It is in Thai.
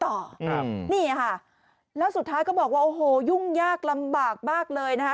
ครับนี่ค่ะแล้วสุดท้ายก็บอกว่าโอ้โหยุ่งยากลำบากมากเลยนะคะ